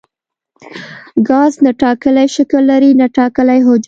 ګاز نه ټاکلی شکل لري نه ټاکلی حجم.